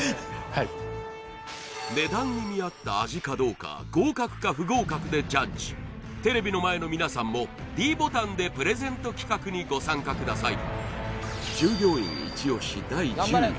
はい値段に見合った味かどうか合格か不合格でジャッジテレビの前の皆さんもｄボタンでプレゼント企画にご参加ください